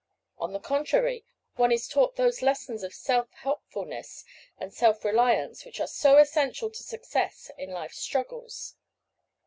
On the contrary, one is taught those lessons of self helpfulness and self reliance which are so essential to success in life's struggles.